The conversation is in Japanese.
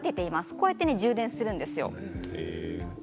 こうやって充電するんですよ。